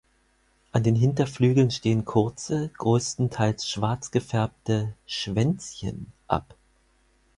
An den Hinterflügeln stehen kurze, größtenteils schwarz gefärbte „Schwänzchen“ ab.